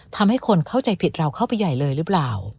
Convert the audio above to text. ทำให้คนเข้าใจผิดเราเข้าไปใหญ่เลยหรือเปล่า